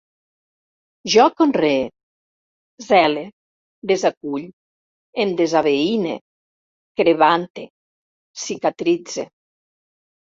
Jo conree, cele, desacull, em desaveïne, crebante, cicatritze